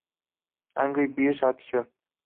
Angry Birds Action!